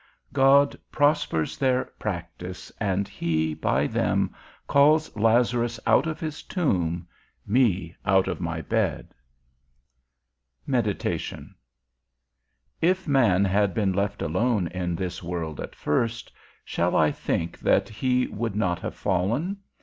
God prospers their practice, and he, by them, calls Lazarus out of his tomb, me out of my bed. XXI. MEDITATION. If man had been left alone in this world at first, shall I think that he would not have fallen?